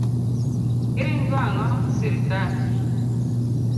Iringo ang'o sirikal.